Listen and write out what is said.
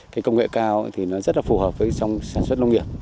cái công nghệ cao thì nó rất là phù hợp với trong sản xuất nông nghiệp